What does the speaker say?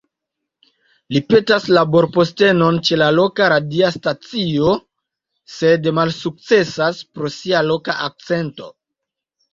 Li petas laborpostenon ĉe la loka radia stacio, sed malsukcesas pro sia loka akcento.